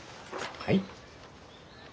はい。